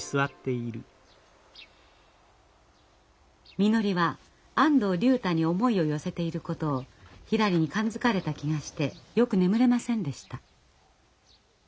みのりは安藤竜太に思いを寄せていることをひらりに感づかれた気がしてよく眠れませんでした。